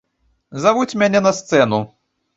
Завуць мяне на сцэну.